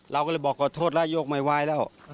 เราก็เลยบอกขอโทษแล้วโยกไม่ไหวแล้ว